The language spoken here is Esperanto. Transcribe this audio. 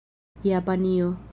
Japanio